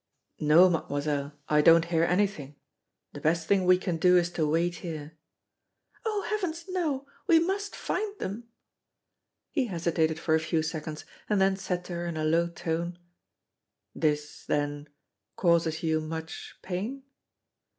"No, Mademoiselle, I don't hear anything. The best thing we can do is to wait here." "Oh! heavens, no. We must find them!" He hesitated for a few seconds, and then said to her in a low tone: "This, then, causes you much pain?"